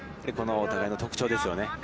このお互いの特徴ですよね。